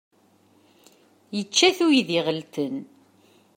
Yečča-t uydi iɣelten.